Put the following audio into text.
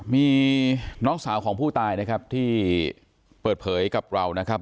มีน้องสาวของผู้ตายนะครับที่เปิดเผยกับเรานะครับ